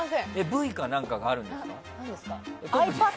Ｖか何かがあるんですか？